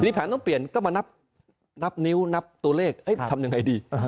แผนต้องเปลี่ยนก็มานับนิ้วนับตัวเลขทำยังไงดี